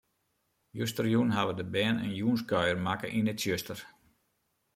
Justerjûn hawwe de bern in jûnskuier makke yn it tsjuster.